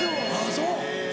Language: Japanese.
そう。